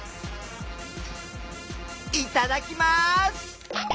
いただきます！